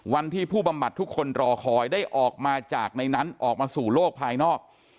ผู้บำบัดทุกคนรอคอยได้ออกมาจากในนั้นออกมาสู่โลกภายนอก